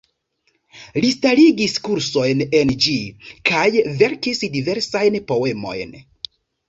Li starigis kursojn en ĝi, kaj verkis diversajn poemojn.